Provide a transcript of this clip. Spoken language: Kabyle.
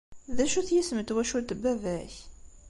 D acu-t yisem n twacult n baba-k?